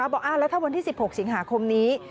บอกแล้วถ้าวันที่๑๖สิงหาคมนี้